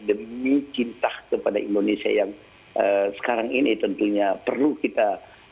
demi cinta kepada indonesia yang sekarang ini tentunya perlu kita